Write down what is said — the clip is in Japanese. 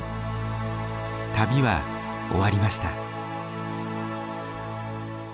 旅は終わりました。